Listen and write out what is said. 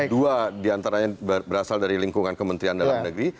dua diantaranya berasal dari lingkungan kementerian dalam negeri